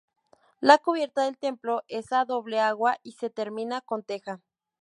La cubierta del templo es a doble agua y se termina con teja.